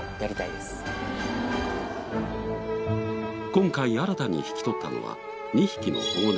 今回新たに引き取ったのは２匹の保護猫。